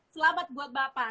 selamat buat bapak